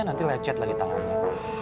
nanti lecet lagi tangannya